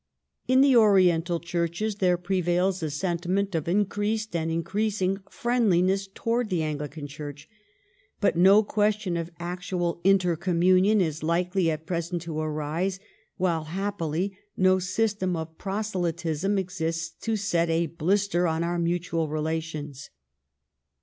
In the Oriental Churches there prevails a sentiment of increased and increasing friendliness toward the Anglican Church, but no question of actual intercommunion is likely at present to arise, while, happily, no system of proselytism exists to set a blister on our mutual relations.